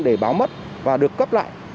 để báo mất và được cấp lại